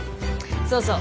そうそう。